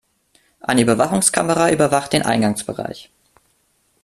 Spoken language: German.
Eine Überwachungskamera überwacht den Eingangsbereich.